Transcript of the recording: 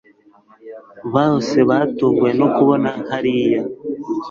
bose batunguwe no kumbona hariya